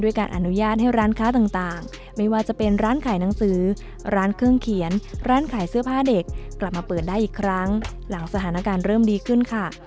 การอนุญาตให้ร้านค้าต่างไม่ว่าจะเป็นร้านขายหนังสือร้านเครื่องเขียนร้านขายเสื้อผ้าเด็กกลับมาเปิดได้อีกครั้งหลังสถานการณ์เริ่มดีขึ้นค่ะ